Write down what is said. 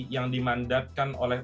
yang dimandatkan oleh